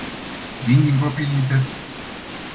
Vin din proprie inițiativă.